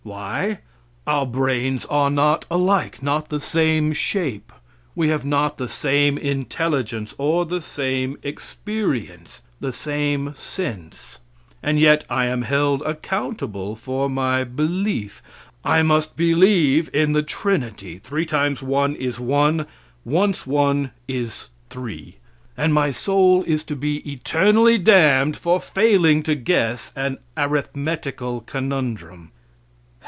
Why? Our brains are not alike not the same shape; we have not the same intelligence or the same experience, the same sense. And yet I am held accountable for my belief. I must believe in the Trinity three times one is one, once one is three and my soul is to be eternally damned for failing to guess an arithmetical conundrum.